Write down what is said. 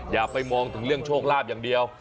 อย่าไปมองถึงเรื่องโชคลาภอย่างเดียว